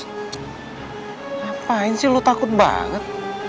ngapain sih lo takut banget